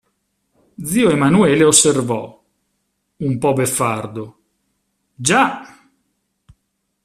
Zio Emanuele osservò, un po' beffardo: – Già!